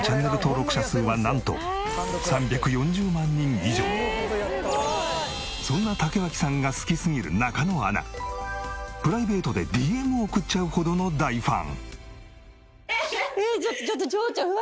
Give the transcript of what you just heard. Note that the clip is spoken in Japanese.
現在のそんな竹脇さんが好きすぎる中野アナプライベートでＤＭを送っちゃうほどの大ファン。